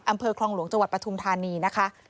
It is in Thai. อำเภอคลองหลวงจังหวัดปฐุมธานีนะคะ